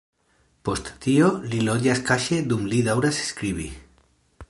Post tio li loĝas kaŝe dum li daŭras skribi.